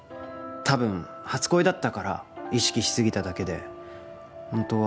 多分初恋だったから意識し過ぎただけで本当は。